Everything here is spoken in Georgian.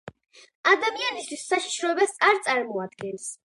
ადამიანისთვის საშიშროებას არ წარმოადგენს.